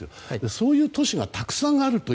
そういう都市がたくさんある。